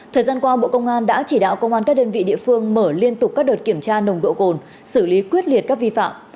thời gian qua bộ công an đã chỉ đạo công an các đơn vị địa phương mở liên tục các đợt kiểm tra nồng độ cồn xử lý quyết liệt các vi phạm